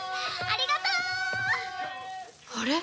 ありがとう！あれ？